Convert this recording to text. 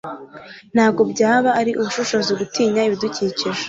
ntabwo byaba ari ubushishozi gutinya ibidukikije.